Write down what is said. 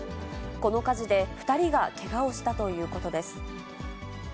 この火事で、２人がけがをしたということです。